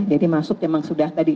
jadi masuk memang sudah tadi